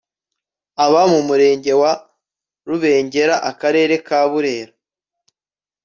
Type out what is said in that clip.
uba mu murenge wa Rubengera Akarere ka burera